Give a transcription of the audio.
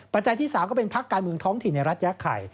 จัยที่๓ก็เป็นพักการเมืองท้องถิ่นในรัฐแยกไข่